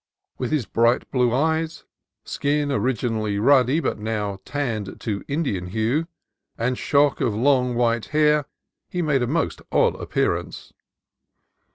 With his bright blue eyes, skin originally ruddy but now tanned to Indian hue, and shock of long white hair, he made a most odd appearance.